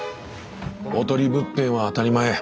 おとり物件は当たり前。